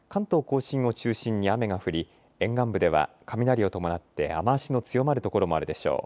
甲信を中心に雨が降り沿岸部では雷を伴って雨足の強まる所もあるでしょう。